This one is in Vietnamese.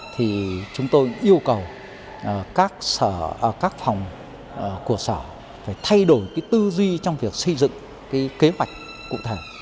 thì chúng tôi yêu cầu các phòng của sở phải thay đổi cái tư duy trong việc xây dựng cái kế hoạch cụ thể